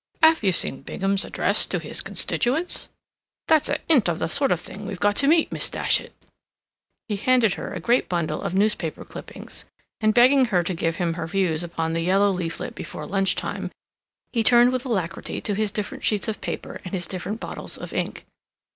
Have you seen Bingham's address to his constituents? That's a hint of the sort of thing we've got to meet, Miss Datchet." He handed her a great bundle of newspaper cuttings, and, begging her to give him her views upon the yellow leaflet before lunch time, he turned with alacrity to his different sheets of paper and his different bottles of ink.